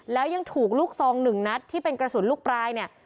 แล้วยังถูกลูกซองหนึ่งนัดที่เป็นกระสุนลูกปลายเนี่ย